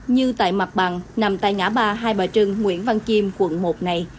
như tại mặt bằng nằm tại ngã ba hai bà trưng nguyễn văn chiêm quận một này